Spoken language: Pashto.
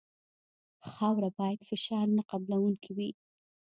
خاوره باید فشار نه قبلوونکې وي